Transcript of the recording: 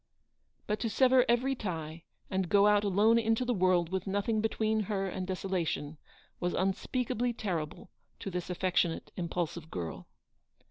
But to sever every tie, and go out alone into the world with nothing between her and desolation, was unspeakably terrible to this affectionate, impul sive girl.